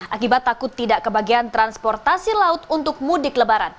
akibat takut tidak kebagian transportasi laut untuk mudik lebaran